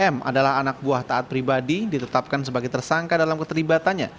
m adalah anak buah taat pribadi ditetapkan sebagai tersangka dalam keterlibatannya